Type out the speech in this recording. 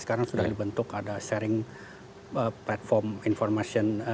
sekarang sudah dibentuk ada sharing platform information